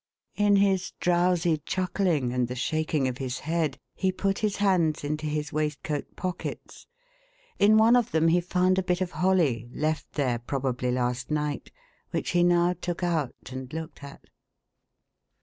In his drowsy chuckling, and the shaking of his head, he put his hands into his waistcoat pockets. In one of them he found a bit of holly (left there, probably last night), which he now took out, and looked at.